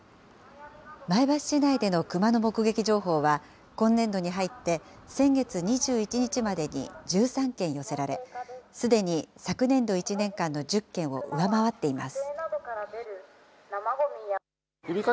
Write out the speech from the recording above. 前橋市内でのクマの目撃情報は、今年度に入って、先月２１日までに１３件寄せられ、すでに昨年度１年間の１０件を上回っています。